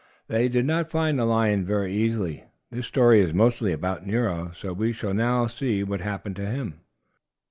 They did not find the lion very easily. This story is mostly about Nero, so we shall now see what happened to him.